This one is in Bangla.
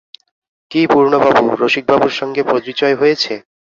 কী পূর্ণবাবু, রসিকবাবুর সঙ্গে পরিচয় হয়েছে?